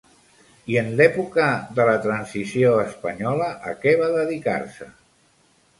I en l'època de la Transició Espanyola a què va dedicar-se?